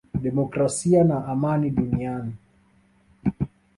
demokrasia na amani duniani